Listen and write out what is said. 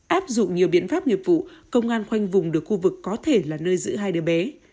áp dụng nhiều biện pháp nghiệp vụ công an khoanh vùng được khu vực có thể là nơi giữ hai đứa bé